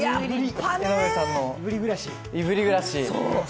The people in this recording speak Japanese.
江上さんの「いぶり暮らし」。